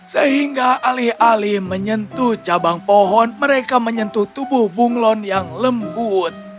sehingga alih alih menyentuh cabang pohon mereka menyentuh tubuh bunglon yang lembut